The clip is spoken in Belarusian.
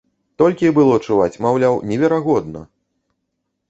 Толькі і было чуваць, маўляў, неверагодна!